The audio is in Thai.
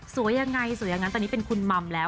สวยยังไงสวยอย่างนั้นตอนนี้เป็นคุณมัมแล้ว